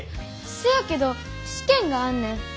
せやけど試験があんねん。